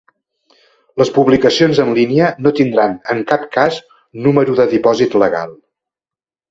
Les publicacions en línia no tindran en cap cas número de dipòsit legal.